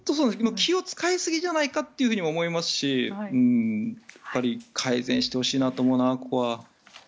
気を使いすぎじゃないかなとも思いますしやっぱり改善してほしいなと思うな、ここは。